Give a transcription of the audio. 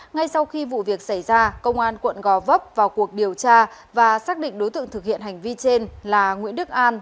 ngay sau khi vụ việc xảy ra công an quận gò vấp vào cuộc điều tra và xác định đối tượng thực hiện hành vi trên là nguyễn đức an